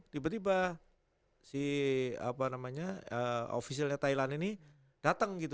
tiba tiba si apa namanya ofisialnya thailand ini datang gitu